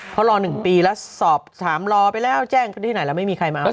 เพราะรอ๑ปีแล้วสอบ๓รอไปแล้วแจ้งที่ไหนแล้วไม่มีใครมาเอา